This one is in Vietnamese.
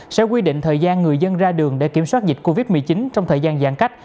sẽ quy định thời gian người dân ra đường để kiểm soát dịch covid một mươi chín trong thời gian giãn cách